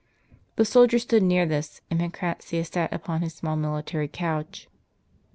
The soldier stood near this, and Pancratius sat upon his small military couch.